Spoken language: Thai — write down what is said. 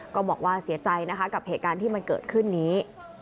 ก็บอกว่าเสียใจนะคะกับเหตุการณ์ที่มันเกิดขึ้นนี้